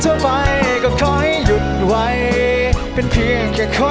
ดูคล้ายคล้ายว่าเธอนั้นรัก